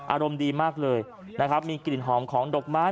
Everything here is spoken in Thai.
อารมณ์ดีมากเลยนะครับมีกลิ่นหอมของดอกไม้